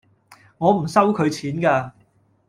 我唔收佢錢架